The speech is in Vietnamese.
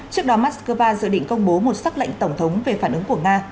trước đó moscow dự định công bố một sắc lệnh tổng thống về phản ứng của nga